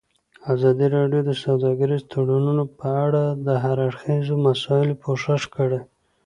ازادي راډیو د سوداګریز تړونونه په اړه د هر اړخیزو مسایلو پوښښ کړی.